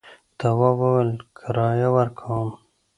تواب وویل کرايه ورکوم.